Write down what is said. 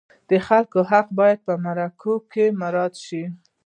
د خلکو حق باید په مرکو کې مراعت شي.